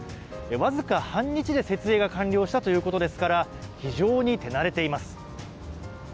わずか半日で設営が完了したということですから非常に手慣れています。